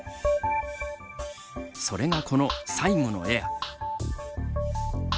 それがこの最後のエア。